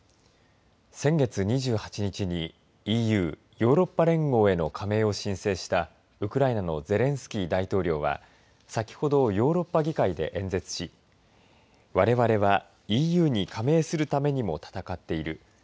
先月２８日にＥＵ、ヨーロッパ連合への加盟を申請したウクライナのゼレンスキー大統領は先ほどヨーロッパ議会で演説しわれわれはＥＵに加盟するためにも戦っている。